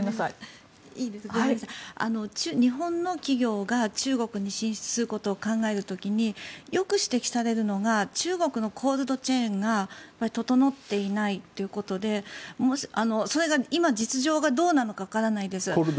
日本の企業が中国に進出することを考える時によく指摘されるのが中国のコールドチェーンが整っていないということでそれが今、実情がどうなのかわからないです。